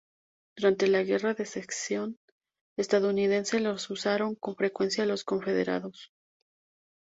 Durante la Guerra de Secesión estadounidense los usaron con frecuencia los confederados.